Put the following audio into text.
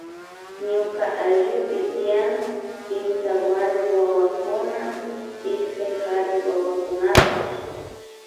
Ñuka ayllupi tian kimsa warmi wawakuna ishkay kari wawakunapash